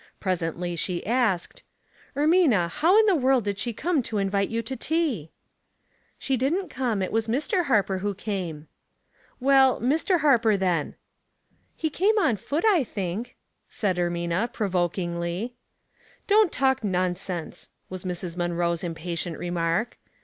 Presently she asked, — "Ermina, how in the world did she come to invite you to tea ?" "She didn't come. It was Mr. Harper who came." u Well — Mr. Harper, then ?"" He came on foot, I think," said Ermina, provokingly. "Don't talk nonsense," was Mrs. Munroe's impatient remark.